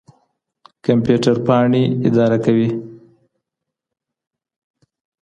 کمپيوټر پاڼي اداره کوي.